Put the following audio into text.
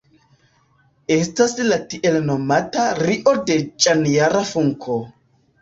Estas la tiel nomata Rio-de-Ĵanejra Funko.